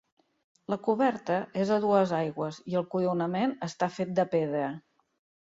La coberta és a dues aigües i el coronament està fet de pedra.